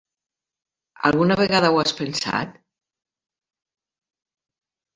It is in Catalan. Alguna vegada ho has pensat?